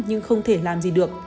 nhưng không thể làm gì được